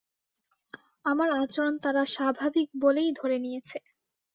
আমার আচরণ তারা স্বাভাবিক বলেই ধরে নিয়েছে।